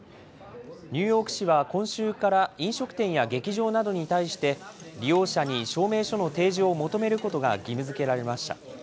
ニューヨーク市は今週から、飲食店や劇場などに対して、利用者に証明書の提示を求めることが義務づけられました。